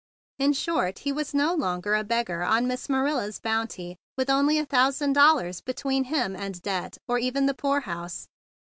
In short, he was no longer a beggar on Miss Ma¬ nila's bounty with only a thousand dol¬ lars between him and debt or even the poorhouse.